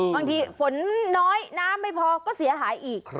ฝนน้อยน้ำไม่พอก็เสียหายอีก